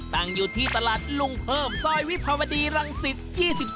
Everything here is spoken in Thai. ตั้งอยู่ที่ตลาดลุงเพิ่มซอยวิภาวดีรังสิต๒๒